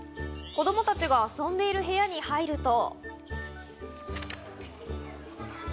子供たちが遊んでいる部屋に入ると。